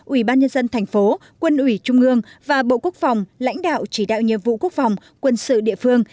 ubnd tp quân ủy trung ương và bộ quốc phòng lãnh đạo chỉ đạo nhiệm vụ quốc phòng quân sự địa phương